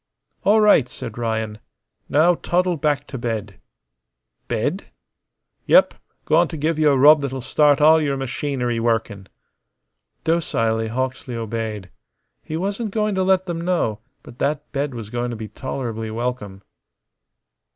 "All right," said Ryan. "Now toddle back t' bed." "Bed?" "Yep. Goin' t' give you a rub that'll start all your machinery workin'." Docilely Hawksley obeyed. He wasn't going to let them know, but that bed was going to be tolerably welcome.